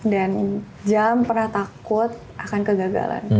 dan jangan pernah takut akan kegagalan